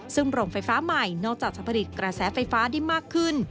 ซึ่งโรงไฟฟ้าใหม่นอกจากจะผลิตกระแสไฟฟ้าได้มากขึ้น